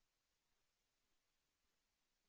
โปรดติดตามต่อไป